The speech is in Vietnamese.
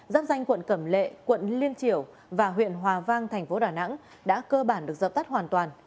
giáp danh quận cẩm lệ quận liên triểu và huyện hòa vang thành phố đà nẵng đã cơ bản được dập tắt hoàn toàn